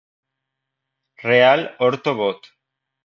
Reale Orto Bot.